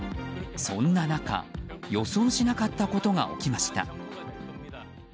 そんな中予想しなかったことが起きました。